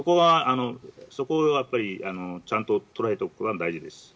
そこがちゃんと捉えておくことが大事です。